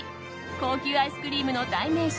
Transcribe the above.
高級アイスクリームの代名詞